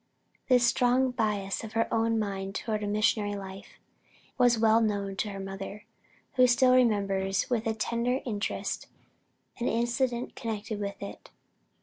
This strong bias of her mind toward a missionary life, was well known to her mother, who still remembers with a tender interest an incident connected with it.